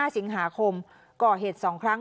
๕สิงหาคมก่อเหตุ๒ครั้ง